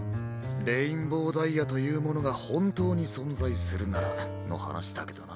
レインボーダイヤというものがほんとうにそんざいするならのはなしだけどな。